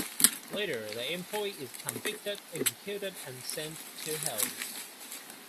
Later, the employee is convicted, executed, and sent to Hell.